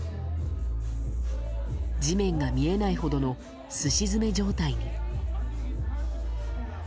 地面が見えないほどのすし詰め状態に。